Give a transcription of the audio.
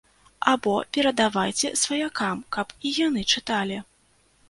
Або перадавайце сваякам, каб і яны чыталі.